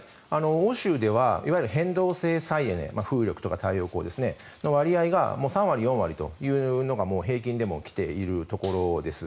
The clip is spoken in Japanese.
欧州ではいわゆる変動制再エネ風力、太陽光の割合がもう３割、４割というのが平均でも来ているところです。